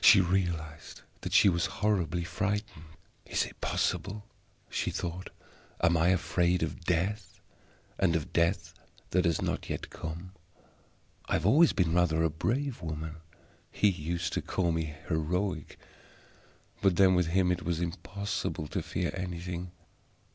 She realized that she was horribly frightened. "Is it possible?" she thought. "Am I afraid of Death, and of Death that has not yet come? I have always been rather a brave woman; He used to call me heroic; but then with him it was impossible to fear anything.